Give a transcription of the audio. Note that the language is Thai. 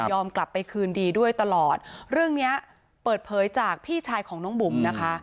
กลับไปคืนดีด้วยตลอดเรื่องเนี้ยเปิดเผยจากพี่ชายของน้องบุ๋มนะคะ